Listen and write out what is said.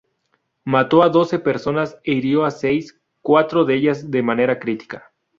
Mató a doce personas e hirió a seis, cuatro de ellas de manera crítica.